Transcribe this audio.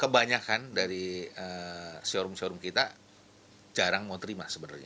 kebanyakan dari showroom showroom kita jarang mau terima sebenarnya